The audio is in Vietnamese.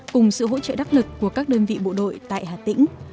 cùng sự hỗ trợ đắc lực của các đơn vị bộ đội tại hà tĩnh